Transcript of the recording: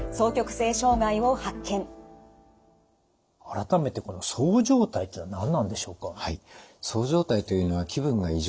改めてこのそう状態っていうのは何なんでしょうか？